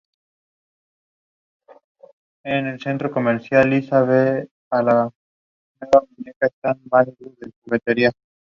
Utiliza la velocidad de la luz como ventaja para eludir a sus enemigos.